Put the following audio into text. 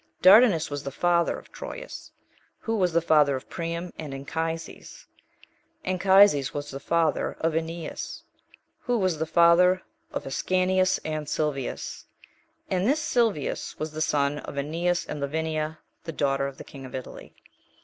Dardanus was the father of Troius, who was the father of Priam and Anchises; Anchises was the father of Aeneas, who was the father of Ascanius and Silvius; and this Silvius was the son of Aeneas and Lavinia, the daughter of the king of Italy.